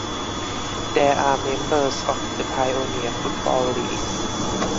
They are members of the Pioneer Football League.